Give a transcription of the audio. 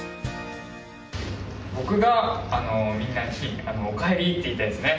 僕がみんなにおかえりって言いたいですね。